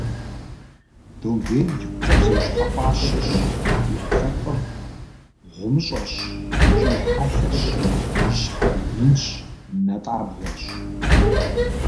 Домбейр икъукӏэ псэущхьэ пӏащэщ, и ӏэпкълъэпкъыр гъумыщӏэщ икӏи хьэлъэщ, и щхьэр инщ, натӏабгъуэщ.